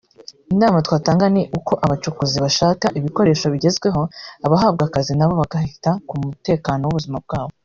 Inama twatanga ni uko abacukuzi bashaka ibikoresho bigezweho abahabwa akazi nabo bakita ku mutekano w’ubuzima bwabo”